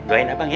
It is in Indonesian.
doain abang ya